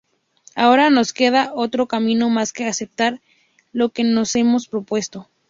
Ahora no os queda otro camino más que aceptar lo que os he propuesto.